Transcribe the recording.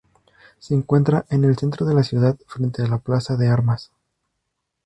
Se encuentra en el centro de la ciudad, frente a la Plaza de Armas.